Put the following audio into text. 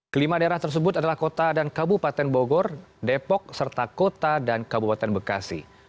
kelima daerah tersebut adalah kota dan kabupaten bogor depok serta kota dan kabupaten bekasi